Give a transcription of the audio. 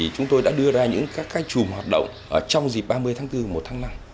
chúng tôi đã đưa ra những các chùm hoạt động trong dịp ba mươi tháng bốn một tháng năm